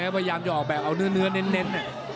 พยายามจะออกแบบเอาเนื้อเน้น